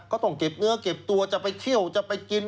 ก็ต้องเก็บเนื้อเก็บตัวจะไปเที่ยวจะไปกิน